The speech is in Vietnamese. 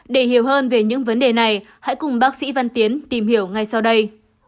để hiểu hơn về những vấn đề này hãy cùng bác sĩ văn tiến tìm hiểu ngay sau đây